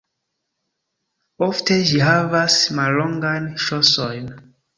Ofte ĝi havas mallongajn ŝosojn.